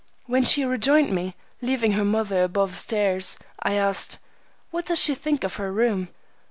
When she rejoined me, leaving her mother above stairs, I asked, "What does she think of her room?"